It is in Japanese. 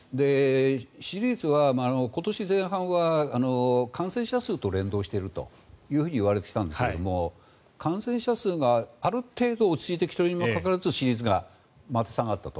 支持率は今年前半は感染者数と連動しているといわれていたんですけども感染者数がある程度落ち着いてきたにもかかわらず支持率がまた下がったと。